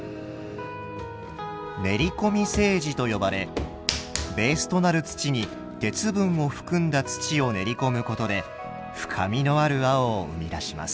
練り込み青磁と呼ばれベースとなる土に鉄分を含んだ土を練り込むことで深みのある青を生み出します。